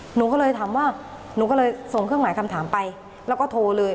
หนูก็เลยส่งเครื่องหมายคำถามไปแล้วก็โทรเลย